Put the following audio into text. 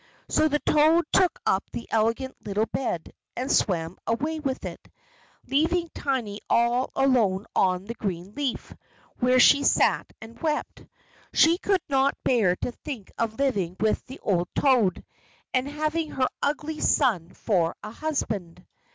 So the toad took up the elegant little bed, and swam away with it, leaving Tiny all alone on the green leaf, where she sat and wept. She could not bear to think of living with the old toad, and having her ugly son for a husband.